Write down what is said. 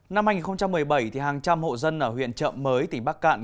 năm hai nghìn một mươi bảy hàng trăm hộ dân ở huyện chợ mới tỉnh bắc cạn